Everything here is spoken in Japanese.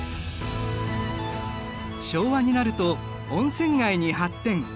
昭和になると温泉街に発展。